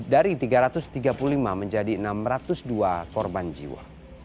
dari tiga ratus tiga puluh lima menjadi enam ratus dua korban jiwa